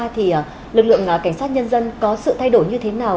thì lực lượng cảnh sát nhân dân có sự thay đổi như thế nào